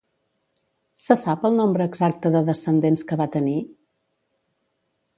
Se sap el nombre exacte de descendents que va tenir?